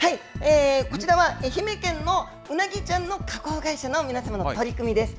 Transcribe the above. こちらは愛媛県のウナギちゃんの加工会社の皆様の取り組みです。